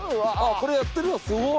これやってるわすごい。